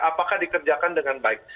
apakah dikerjakan dengan baik